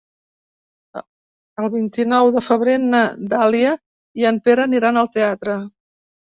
El vint-i-nou de febrer na Dàlia i en Pere aniran al teatre.